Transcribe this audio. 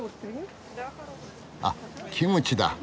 あキムチだ。